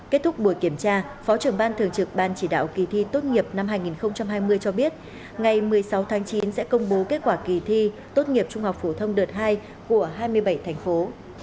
kết thúc buổi kiểm tra phó trưởng ban thường trực ban chỉ đạo kỳ thi tốt nghiệp năm hai nghìn hai mươi cho biết ngày một mươi sáu tháng chín sẽ công bố kết quả kỳ thi tốt nghiệp trung học phổ thông đợt hai của hai mươi bảy thành phố